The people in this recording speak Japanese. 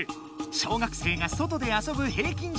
「小学生が外で遊ぶ平均時間」